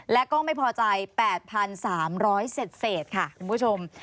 และก็ไม่พอใจ๘๓๐๐เศษค่ะคุณผู้ชม